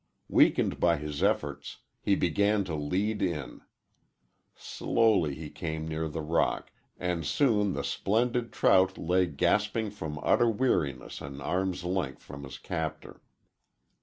Weakened by his efforts, he began to lead in. Slowly he came near the rock, and soon the splendid trout lay gasping from utter weariness an arm's length from his captor.